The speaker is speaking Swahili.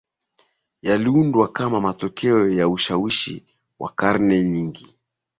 yaliundwa kama matokeo ya ushawishi wa karne nyingi